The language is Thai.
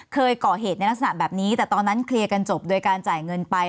เคยก่อเหตุในลักษณะแบบนี้แต่ตอนนั้นเคลียร์กันจบโดยการจ่ายเงินไป